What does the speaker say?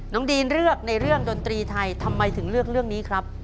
ดีนเลือกในเรื่องดนตรีไทยทำไมถึงเลือกเรื่องนี้ครับ